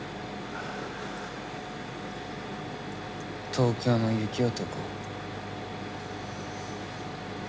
東京の雪男。